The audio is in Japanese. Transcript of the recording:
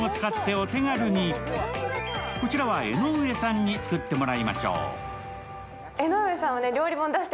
こちらは江上さんに作ってもらいましょう。